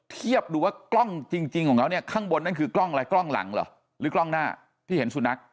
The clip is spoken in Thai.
เทียบดูว่ากล้องจริงของเขาเนี่ยข้างบนนั่นคือกล้องอะไรกล้องหลังเหรอหรือกล้องหน้าที่เห็นสุนัข